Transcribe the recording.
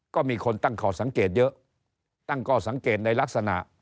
ก็มีคนตั้งข้อสังเกตเยอะตั้งข้อสังเกตในลักษณะ